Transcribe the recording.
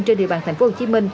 trên địa bàn tp hcm